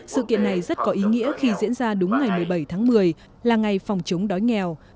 sự kiện này rất có ý nghĩa khi diễn ra đúng ngày một mươi bảy tháng một mươi là ngày phòng chống đói nghèo